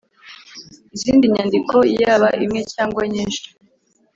Izindi nyandiko yaba imwe cyangwa nyinshi